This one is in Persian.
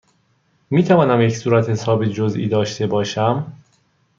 می توانم یک صورتحساب جزئی داشته باشم؟